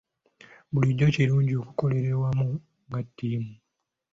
Bulijjo kirungi okukolera awamu nga ttiimu.